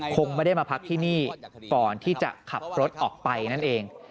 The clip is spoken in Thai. คงไม่ได้มาพักที่นี่ก่อนที่จะขับรถออกไปนั่นเอง